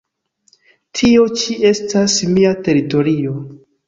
Tio ĉi estas mia teritorio".